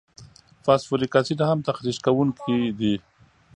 فاسفوریک اسید هم تخریش کوونکي دي.